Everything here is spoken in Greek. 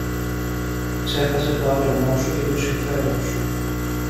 Ξέχασε το άτομο σου και το συμφέρον σου